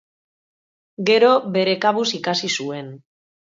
Gero, bere kabuz ikasi zuen.